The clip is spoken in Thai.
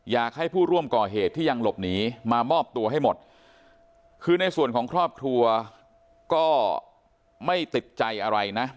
อยากให้ผู้ร่วมก่อเหตุที่ยังหลบหนีมามอบตัวให้หมดคือในส่วนของครอบครัวก็ไม่ติดใจอะไรนะ